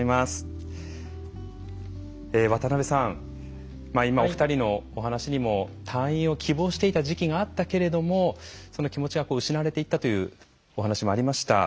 渡邉さん、今、お二人のお話にも退院を希望していた時期があったけれどもその気持ちが失われていったというお話もありました。